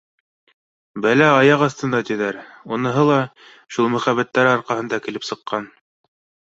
Бәлә аяҡ аҫтында, тиҙәр, уныһы ла шул мөхәббәттәре арҡаһында килеп сыҡҡан